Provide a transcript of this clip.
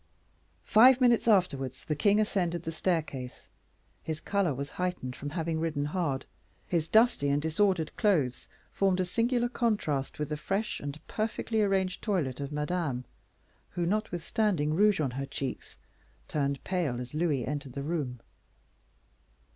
Five minutes afterwards the king ascended the staircase. His color was heightened from having ridden hard. His dusty and disordered clothes formed a singular contrast with the fresh and perfectly arranged toilette of Madame, who, notwithstanding the rouge on her cheeks, turned pale as Louis entered the room.